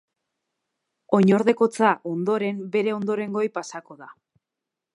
Oinordekotza, ondoren, bere ondorengoei pasako da.